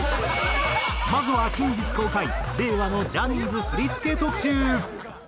まずは近日公開令和のジャニーズ振付特集。